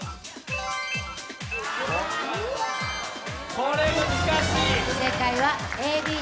これ難しい。